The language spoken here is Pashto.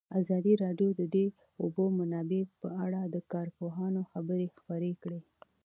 ازادي راډیو د د اوبو منابع په اړه د کارپوهانو خبرې خپرې کړي.